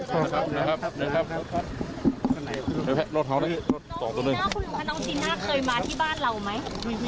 น้องจีน่าคุณหรูค่ะน้องจีน่าเคยมาที่บ้านเราไหม